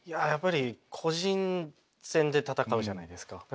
やっぱり個人戦で戦うじゃないですか。